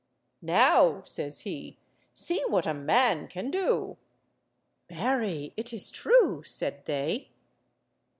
"Now," says he, "see what a man can do!" "Marry, it is true," said they.